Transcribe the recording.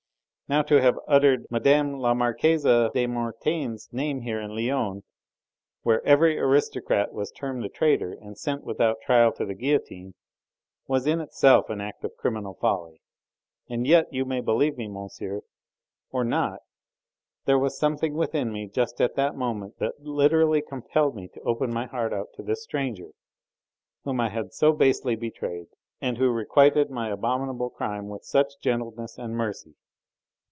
Now to have uttered Mme. la Marquise de Mortaine's name here in Lyons, where every aristocrat was termed a traitor and sent without trial to the guillotine, was in itself an act of criminal folly, and yet you may believe me, monsieur, or not there was something within me just at that moment that literally compelled me to open my heart out to this stranger, whom I had so basely betrayed, and who requited my abominable crime with such gentleness and mercy.